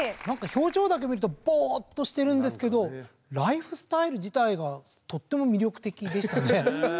何か表情だけ見るとぼっとしてるんですけどライフスタイル自体はとっても魅力的でしたね。